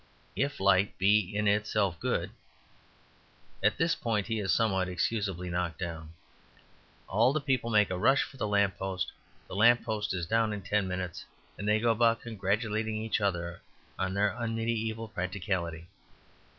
If Light be in itself good " At this point he is somewhat excusably knocked down. All the people make a rush for the lamp post, the lamp post is down in ten minutes, and they go about congratulating each other on their unmediaeval practicality.